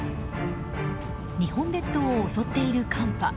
日本列島を襲っている寒波。